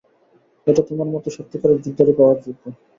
এইটা তোমার মতো সত্যিকারের যোদ্ধার ই পাওয়ার যোগ্য।